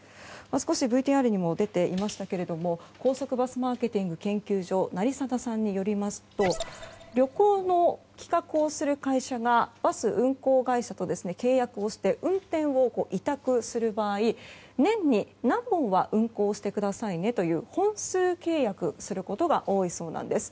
少しＶＴＲにも出ていましたが高速バスマーケティング研究所成定さんによりますと旅行の企画をする会社がバス運行会社と契約をして運転を委託する場合年に何本は運行してくださいねという本数契約することが多いそうなんです。